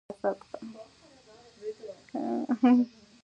اصلاح ورځپاڼه رسمي ده